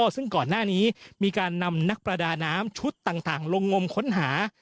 ซึ่งก่อนหน้านี้มีการนำนักประดาน้ำชุดต่างลงงมค้นหา